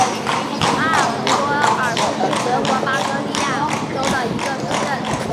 阿尔滕多尔夫是德国巴伐利亚州的一个市镇。